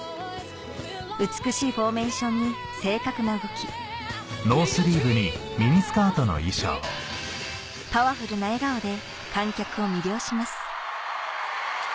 美しいフォーメーションに正確な動きパワフルな笑顔で観客を魅了します